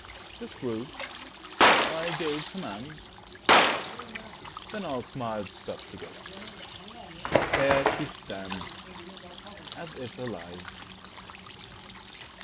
This grew; I gave commands; Then all smiles stopped together. There she stands As if alive.